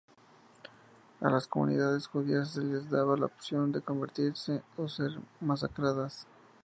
A las comunidades judías se les daba la opción de convertirse o ser masacradas.